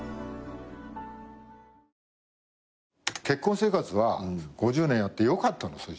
結婚生活は５０年やってよかったの？